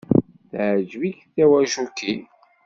Teɛjeb-ik Kawaguchi.